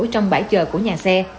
trong bãi chờ của nhà xe